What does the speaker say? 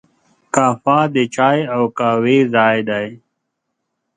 کافه د چای او قهوې ځای دی.